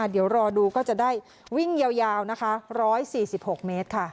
เดี๋ยวรอดูก็จะได้วิ่งยาวนะคะ๑๔๖เมตรค่ะ